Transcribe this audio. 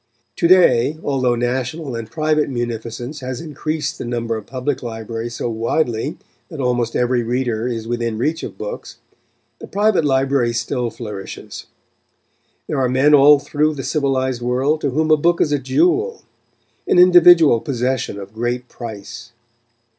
To day, although national and private munificence has increased the number of public libraries so widely that almost every reader is within reach of books, the private library still flourishes. There are men all through the civilised world to whom a book is a jewel an individual possession of great price.